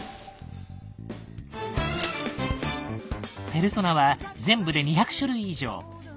ペルソナは全部で２００種類以上。